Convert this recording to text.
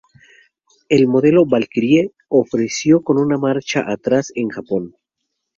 El modelo Valkyrie se ofreció con una marcha atrás en Japón.